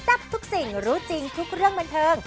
ทับทุกสิ่งรู้จริงทุกเรื่องบันเทิง